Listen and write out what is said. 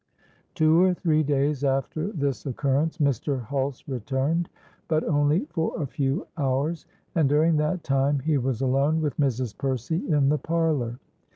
"Two or three days after this occurrence, Mr. Hulse returned—but only for a few hours; and during that time he was alone with Mrs. Percy in the parlour.